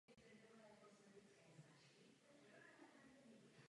Podle všech náznaků však zemřel krátce před osvobozením tábora.